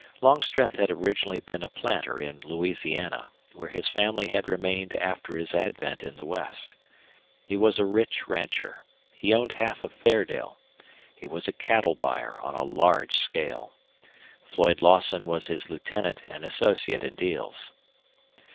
Longstreth had originally been a planter in Louisiana, where his family had remained after his advent in the West. He was a rich rancher; he owned half of Fairdale; he was a cattle buyer on a large scale. Floyd Lawson was his lieutenant and associate in deals.